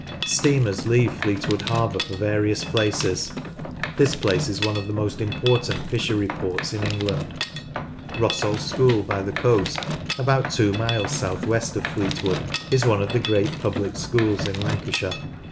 Steamers leave Fleetwood harbour for various places. This place is one of the most important fishery ports in England. Hawkshead: Flag Street 108 NORTH LANCASHIRE Rossall School, by the coast, about two miles south west of Fleetwood, is one of the great public schools in Lancashire.